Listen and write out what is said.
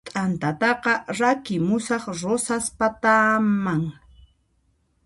T'antataqa rakimusaq Rosaspataman